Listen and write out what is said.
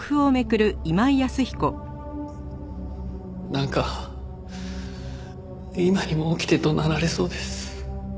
なんか今にも起きて怒鳴られそうです。